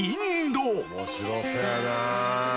面白そうやな。